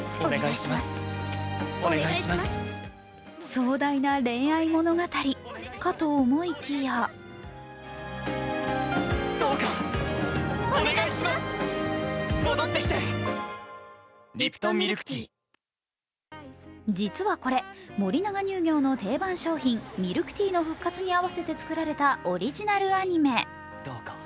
壮大な恋愛物語かと思いきや実はこれ、森永乳業の定番商品、ミルクティーの復活に合わせて作られたオリジナルアニメ。